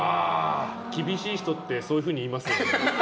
厳しい人ってそういうふうに言いますよね。